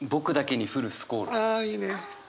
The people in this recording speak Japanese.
あいいね。